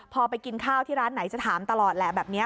พอไปกินข้าวที่ร้านไหนจะถามตลอดแหละแบบนี้